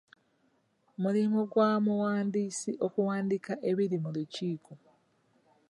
Mulimu gwa muwandiisi okuwandiika ebiri mu lukiiko.